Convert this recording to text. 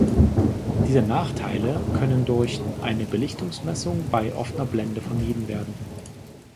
Diese Nachteile können durch eine Belichtungsmessung bei offener Blende vermieden werden.